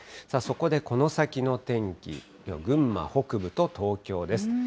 そこでこの先の天気、気温、群馬北部と東京です。